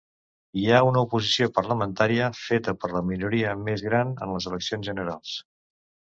Hi ha una oposició parlamentària feta per la minoria més gran en les eleccions generals.